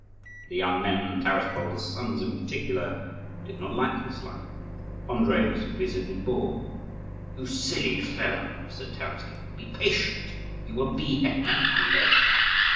The young men, and Taras Bulba's sons in particular, did not like this life. Andrii was visibly bored. "You silly fellow!" said Taras to him, "be patient, you will be hetman one day.